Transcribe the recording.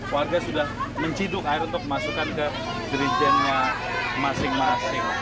warga sudah menciduk air untuk dimasukkan ke dirijennya masing masing